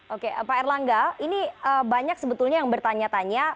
oke pak erlangga ini banyak sebetulnya yang bertanya tanya